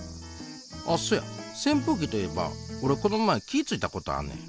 あっそやせんぷうきといえばおれこの前気ぃ付いたことあんねん。